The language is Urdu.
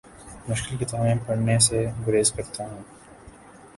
مشکل کتابیں پڑھنے سے گریز کرتا ہوں